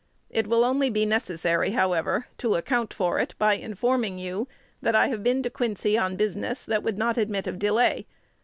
It will only be necessary, however, to account for it by informing you that I have been to Quincy on business that would not admit of delay.